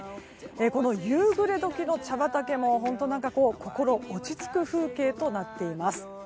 この夕暮れ時の茶畑も本当心落ち着く風景となっています。